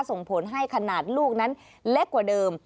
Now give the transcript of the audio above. ส่งผลให้ขนาดลูกนั้นเล็กกว่าเดิม